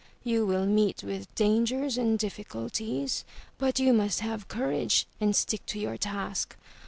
You will meet with dangers and difficulties, but you must have courage and stick to your task.